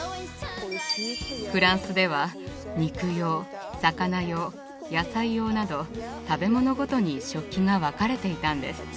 フランスでは肉用魚用野菜用など食べ物ごとに食器が分かれていたんです。